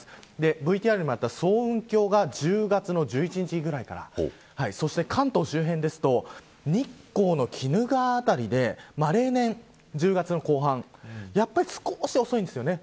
ＶＴＲにもあった層雲峡が１０月の１１日ぐらいから関東周辺ですと日光の鬼怒川辺りで例年１０月の後半で少し遅いです。